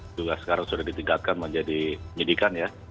juga sekarang sudah ditingkatkan menjadi penyidikan ya